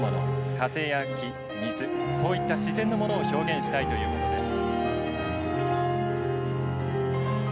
風や木水そういった自然のものを表現したいということです。